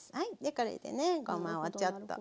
これでねごまをちょっとふって。